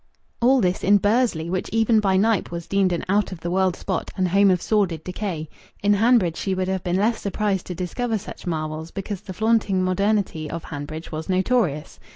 All this in Bursley, which even by Knype was deemed an out of the world spot and home of sordid decay! In Hanbridge she would have been less surprised to discover such marvels, because the flaunting modernity of Hanbridge was notorious.